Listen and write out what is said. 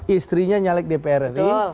istrinya nyalek dpr ri